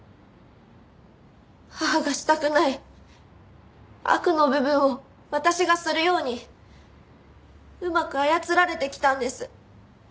母がしたくない悪の部分を私がするようにうまく操られてきたんです。